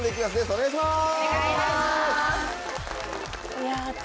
お願いします！